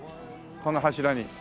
この柱に。